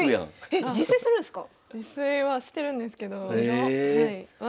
えっ自炊するんですか？